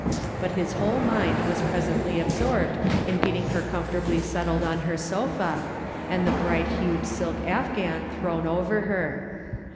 But his wdiole mind was presently absorbed in getting her comfortably settled on her sofa, and the bright hued silk afghan thrown over her.